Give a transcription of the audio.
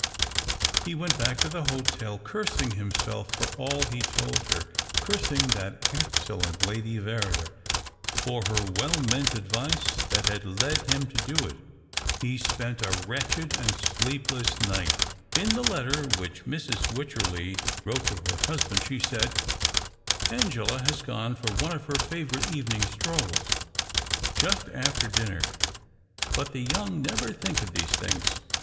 He went back to the hotel, cursing himself for all he told her, cursing that excellent Lady Yerrider for her well meant advice that had led him to do it. He spent a wretched and sleepless night. In the letter which Mrs. "VYycherley wrote to her husband, she said —" Angela has gone for one of her favourite evening strolls — just after dinner — l)ut the young never think of these things.